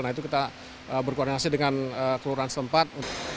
nah itu kita berkoordinasi dengan kelurahan setempat